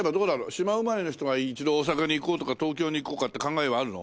島生まれの人が一度大阪に行こうとか東京に行こうかって考えはあるの？